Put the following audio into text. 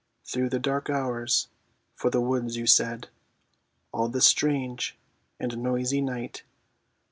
Through the dark hours, for the words you said, All this strange and noisy night.